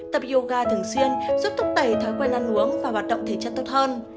tập yoga thường xuyên giúp thúc đẩy thói quen ăn uống và hoạt động thể chất tốt hơn